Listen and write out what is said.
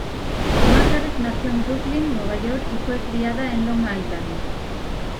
Margaret nació en Brooklyn, Nueva York, y fue criada en Long Island.